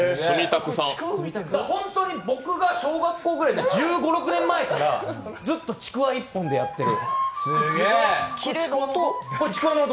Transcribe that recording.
本当に、僕が小学校ぐらい１５１６年前からずっとちくわ一本でやってる。